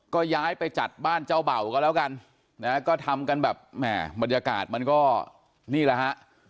ก็ย้ายไปจัดบ้านเจ้าเบ่าก็แล้วกันนะฮะก็ทำกันแบบแหม่บรรยากาศมันก็นี่แหละฮะ